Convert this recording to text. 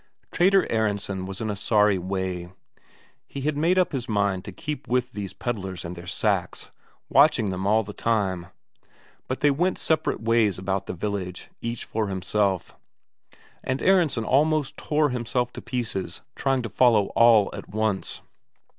Trader Aronsen was in a sorry way; he had made up his mind to keep with these pedlars and their sacks, watching them all the time; but they went separate ways about the village, each for himself, and Aronsen almost tore himself to pieces trying to follow all at once.